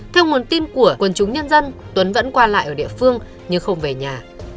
theo nguồn tin của quần chúng nhân dân tuấn vẫn qua lại ở địa phương nhưng không về nhà